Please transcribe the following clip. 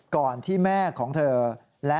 ก่อนที่แม่ของเธอและ